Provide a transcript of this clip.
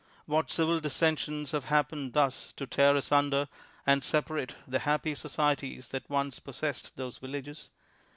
What civil dis sensions have happened thus to tear asunder, and separate the happy societies that once pos sessed those villages?